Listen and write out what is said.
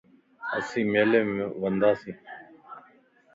اسين ميلي مَ ونداسين